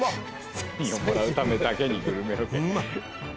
サインをもらうためだけにグルメロケ。